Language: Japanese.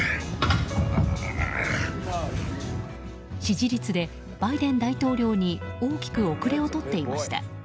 支持率で、バイデン大統領に大きく後れを取っていました。